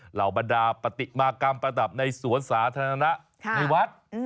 เหล่าบรรดาปฏิมากรรมประดับในสวนสาธารณะในวัด